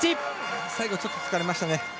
最後ちょっと疲れましたね。